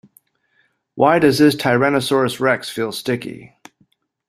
Why does this tyrannosaurus rex feel sticky?